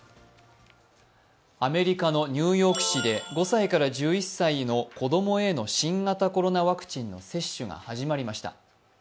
アメリカのニューヨーク市で５歳から１１歳の子供への新型コロナワクチンの接種が始まりました。